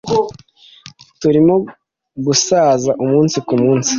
turimo gusaza umunsi kumunsi